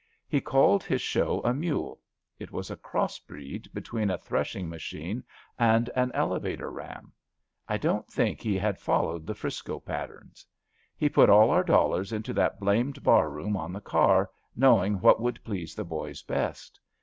He called his show a mule — ^it was a crossbreed between a threshing machine and an elevator ram. I don't think he had followed the 'Frisco patterns. He put all our dollars into that blamed barroom on the car, know ing what would please the boys best.